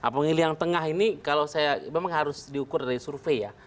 nah pemilih yang tengah ini memang harus diukur dari survei ya